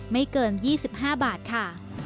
ไม่เกิน๒๕บาทค่ะ